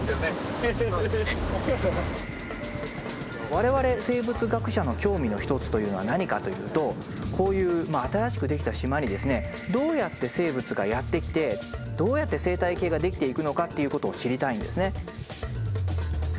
我々生物学者の興味の一つというのは何かというとこういう新しくできた島にですねどうやって生物がやって来てどうやって生態系ができていくのかっていうことを知りたいんですね。